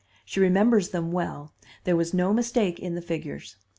She remembers them well; there was no mistake in the figures.